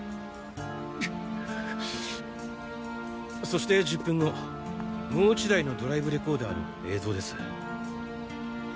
そして１０分後もう１台のドライブレコーダーの映像です。